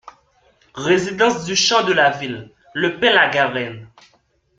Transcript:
Résidence du Champ de la Ville, Le Pin-la-Garenne